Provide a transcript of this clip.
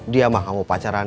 dia mah kamu pacaran